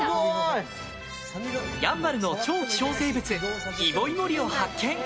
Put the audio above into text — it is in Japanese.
やんばるの超希少生物イボイモリを発見。